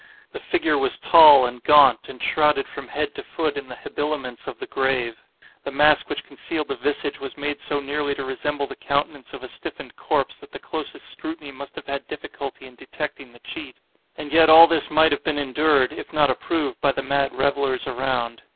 The figure was tall and gaunt, and shrouded from head to foot in the habiliments of the grave. The mask which concealed the visage was made so nearly to resemble the countenance of a stiffened corpse that the closest scrutiny must have had difficulty in detecting the cheat. And yet all this might have been endured, if not approved, by the mad revellers around.